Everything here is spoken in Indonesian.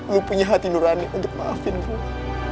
lo punya hati lurani untuk maafin gue